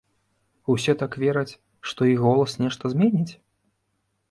Усе так вераць, што іх голас нешта зменіць?